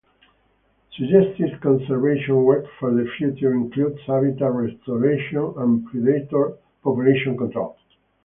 Suggested conservation work for the future includes habitat restoration and predator population control.